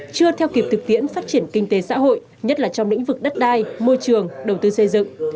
chưa theo kịp thực tiễn phát triển kinh tế xã hội nhất là trong lĩnh vực đất đai môi trường đầu tư xây dựng